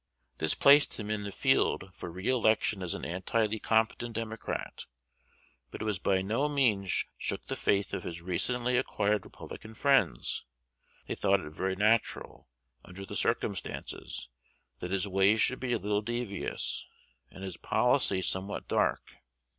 This placed him in the field for re election as an Anti Lecompton Democrat; but it by no means shook the faith of his recently acquired Republican friends: they thought it very natural, under the circumstances, that his ways should be a little devious, and his policy somewhat dark.